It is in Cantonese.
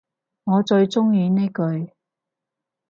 我最鍾意呢句